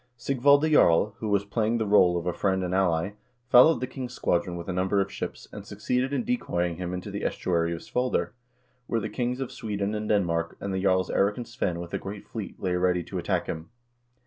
Sigvalde Jarl, who was playing the role of a friend and ally, followed the king's squadron with a number of ships, and succeeded in decoying him into the estuary of S voider, where the kings of Sweden and Denmark, and the jarls Eirik and Svein with a great fleet lay ready to attack him.